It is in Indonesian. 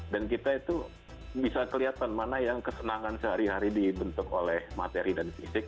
dan kita itu bisa kelihatan mana yang kesenangan sehari hari dibentuk oleh materi dan fisik